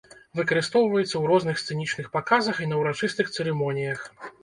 Выкарыстоўваецца ў розных сцэнічных паказах і на ўрачыстых цырымоніях.